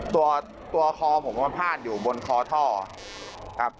ตัวคอผมมันพาดอยู่บนคอท่อครับ